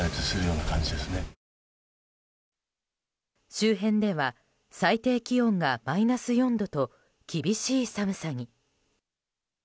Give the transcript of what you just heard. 周辺では最低気温がマイナス４度と厳しい寒さに。